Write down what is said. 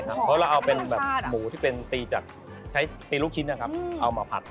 ใช่เราให้หมูที่เป็นตีจากตีรุ็กชิ้นนะครับเอามาผัด